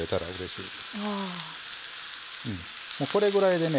もうこれぐらいでね